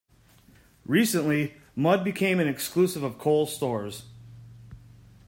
Recently, Mudd became an exclusive of Kohl's stores.